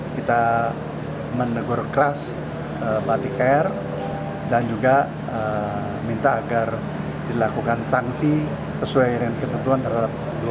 kita menegur keras batik air dan juga minta agar dilakukan sanksi sesuai dengan ketentuan terhadap dua